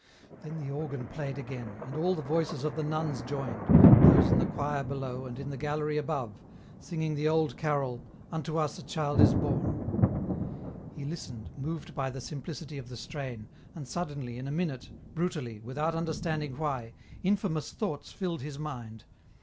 Then the organ played again, and all the voices of the nuns joined, those in the choir below and in the gallery above, singing the old carol " Unto us a child is born." EN ROUTE. 49 He listened, moved by the simplicity of the strain, and suddenly, in a minute, brutally, without understanding why, infamous thoughts filled his mind.